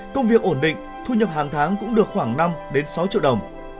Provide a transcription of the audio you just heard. công việc ổn định thu nhập hàng tháng cũng được khoảng năm sáu triệu đồng